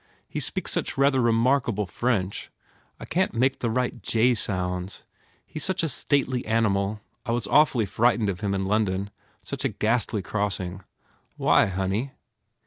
He speaks such rather remark able French. I can t make the right J sounds. He s such a stately animal. I was awfully frightened of him in London. Such a ghastly crossing!" "Why, honey?"